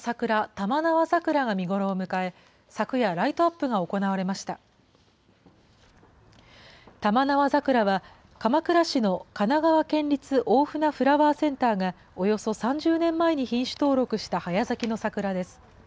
玉縄桜は、鎌倉市の神奈川県立大船フラワーセンターがおよそ３０年前に品種登録した早咲きの桜です。